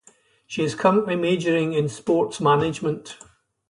She is currently majoring in Sports Management.